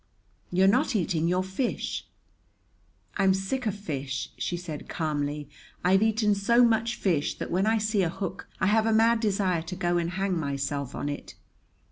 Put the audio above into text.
"You're not eating your fish." "I'm sick of fish," she said calmly. "I've eaten so much fish that when I see a hook I have a mad desire to go and hang myself on it."